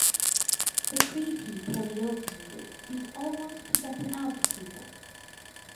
The creepy calliope music seems almost to beckon out to people.